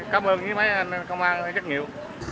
cám ơn mấy anh công an rất nhiều